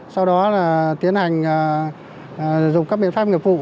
sau đó tiến hành dùng các biện pháp nghiệp phục